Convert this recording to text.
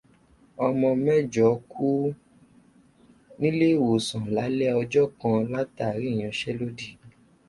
Ọmọ mẹ́jọ kù níléèwòsàn lalẹ ọjọ́ kàn látàrí ìyanṣẹ́lódì.